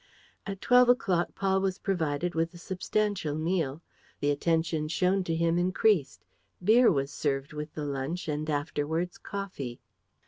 At twelve o'clock Paul was provided with a substantial meal. The attentions shown to him increased. Beer was served with the lunch and afterwards coffee.